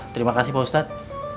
terima kasih pak ustadz